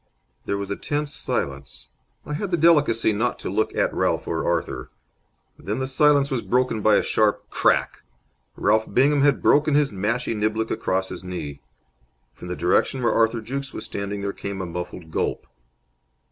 There was a tense silence. I had the delicacy not to look at Ralph or Arthur. Then the silence was broken by a sharp crack. Ralph Bingham had broken his mashie niblick across his knee. From the direction where Arthur Jukes was standing there came a muffled gulp.